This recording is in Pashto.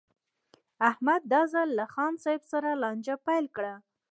احمد دا ځل له خان صاحب سره لانجه پیل کړه.